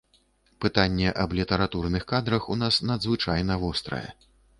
Пытанне аб літаратурных кадрах у нас надзвычайна вострае.